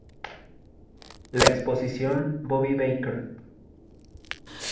La exposición "Bobby Baker.